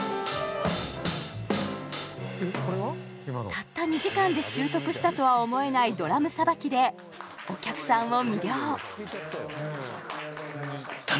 たった２時間で習得したとは思えないドラムさばきでお客さんを魅了